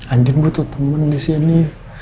anjing butuh teman di sini